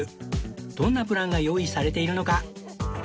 どんなプランが用意されているのか？